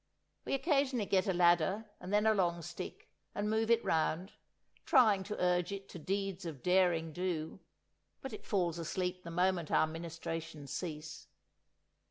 We occasionally get a ladder and then a long stick, and move it round, trying to urge it to deeds of derring do, but it falls asleep the moment our ministrations cease.